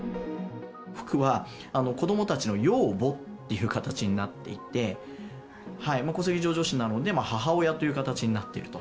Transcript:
僕は子どもたちの養母っていう形になっていて、戸籍上、女子なので母親という形になっていると。